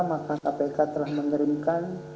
maka kpk telah mengerinkan